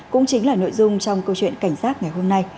cũng chính là nội dung trong câu chuyện cảnh giác ngày hôm nay